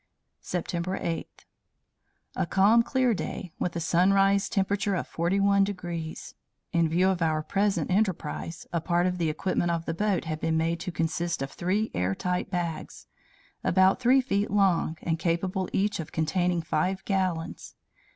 "September 8. A calm, clear day, with a sunrise temperature of 41 degrees. In view of our present enterprise, a part of the equipment of the boat had been made to consist of three airtight bags, about three feet long, and capable each of containing five gallons.